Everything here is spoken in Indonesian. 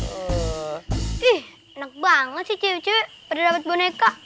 enak banget sih cewek cewek pada dapat boneka